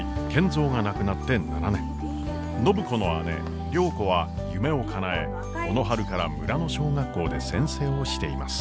暢子の姉良子は夢をかなえこの春から村の小学校で先生をしています。